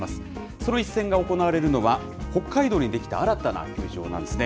その一戦が行われるのは北海道にできた新たな球場なんですね。